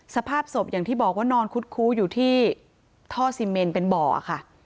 สภาพศพอย่างที่บอกว่านอนคุดคู้อยู่ที่ท่อซีเมนเป็นบ่อค่ะ